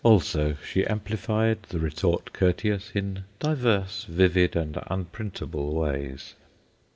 Also, she amplified the retort courteous in divers vivid and unprintable ways.